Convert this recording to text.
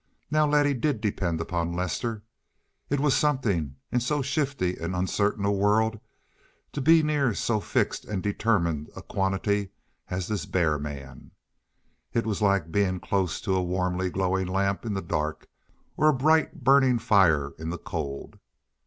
Now Letty did depend upon Lester. It was something, in so shifty and uncertain a world, to be near so fixed and determined a quantity as this bear man. It was like being close to a warmly glowing lamp in the dark or a bright burning fire in the cold.